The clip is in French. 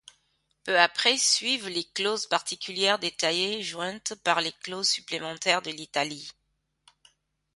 Peu après suivent les clauses particulières détaillées jointes par les clauses supplémentaires de l'Italie.